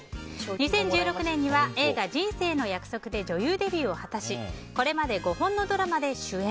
２０１６年には映画「人生の約束」で女優デビューを果たしこれまで５本のドラマで主演。